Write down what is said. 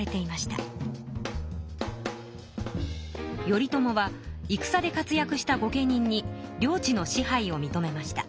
頼朝はいくさで活やくした御家人に領地の支配をみとめました。